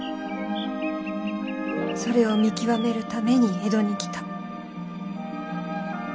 それを見極めるために江戸に来た。